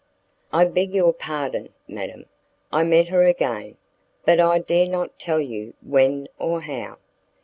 "I beg your pardon, madam; I met her again, but I dare not tell you when or how."